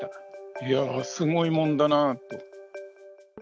いやあ、すごいもんだなと。